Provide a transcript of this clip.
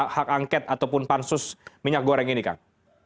hak angket ataupun pansus minyak goreng ini kang